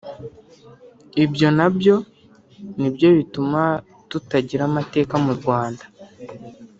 ibyo nabyo nibyo bituma tutagira amateka mu Rwanda